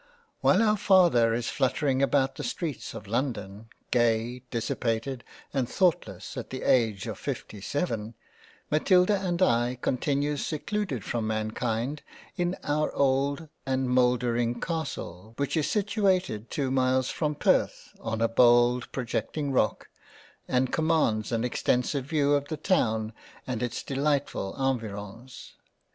While our father is fluttering about the streets of London, gay, dissipated, and Thoughtless at the age of 57, Matilda and I continue secluded from Mankind in our old and Mouldering Castle, which is situated two miles from Perth on a bold projecting Rock, and commands an extensive veiw of the Town and its delightful Environs.